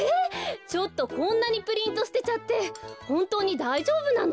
ちょっとこんなにプリントすてちゃってほんとうにだいじょうぶなの？